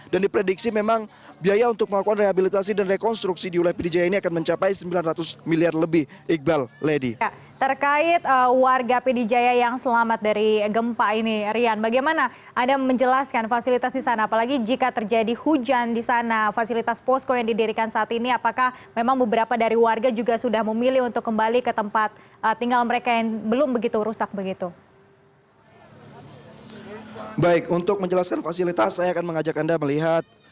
dan diprediksi memang biaya untuk melakukan rehabilitasi dan rekonstruksi di wilayah pidijaya ini akan mencapai sembilan ratus miliar lebih